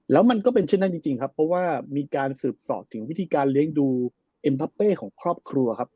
แล้วมันก็เป็นเช่นนั้นจริงครับเพราะว่ามีการสืบสอบถึงวิธีการเลี้ยงดูเอ็มทาเป้ของครอบครัวครับ